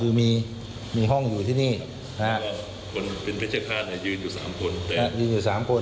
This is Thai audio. อ๋อคือมีมีห้องอยู่ที่นี่ครับแต่ว่าคนเป็นพิจารณ์ภาคเนี้ยยืนอยู่สามคน